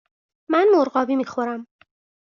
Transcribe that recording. من مرغابی می خورم.